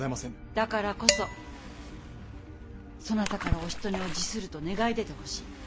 だからこそそなたからおしとねを辞すると願い出てほしい。